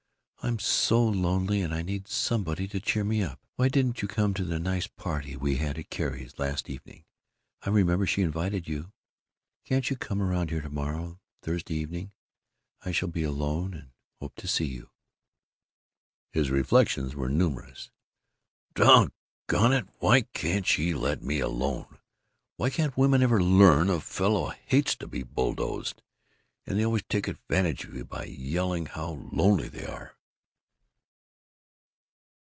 I'm so lonely and I need somebody to cheer me up. Why didn't you come to the nice party we had at Carrie's last evening I remember she invited you. Can't you come around here to morrow Thur evening? I shall be alone and hope to see you. His reflections were numerous: "Doggone it, why can't she let me alone? Why can't women ever learn a fellow hates to be bulldozed? And they always take advantage of you by yelling how lonely they are.